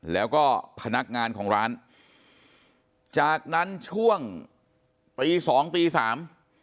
แล้วก็พนักงานของร้านจากนั้นช่วงตีสองตีสาม